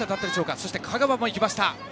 そして香川も行きました。